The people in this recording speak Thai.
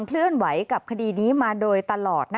เคลื่อนไหวกับคดีนี้มาโดยตลอด